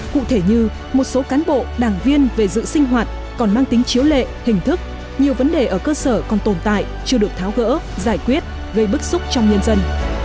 cụ thể như một số cán bộ đảng viên về dự sinh hoạt còn mang tính chiếu lệ hình thức nhiều vấn đề ở cơ sở còn tồn tại chưa được tháo gỡ giải quyết gây bức xúc trong nhân dân